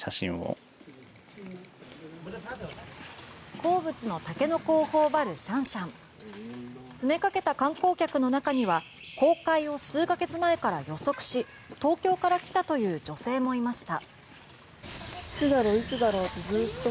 好物のタケノコをほおばるシャンシャン・詰めかけた観光客の中には公開を数か月前から予測し東京から来たという女性もいました。